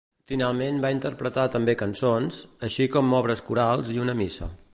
Finalment va interpretar també cançons, així com obres corals i una missa.